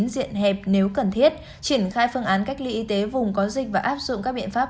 diện hẹp nếu cần thiết triển khai phương án cách ly y tế vùng có dịch và áp dụng các biện pháp